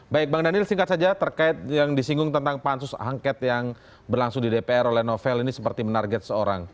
baik bang daniel singkat saja terkait yang disinggung tentang pansus angket yang berlangsung di dpr oleh novel ini seperti menarget seorang